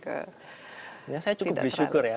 saya cukup bersyukur ya